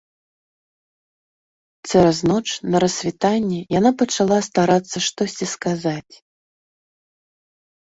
Цераз ноч на рассвітанні яна пачала старацца штосьці сказаць.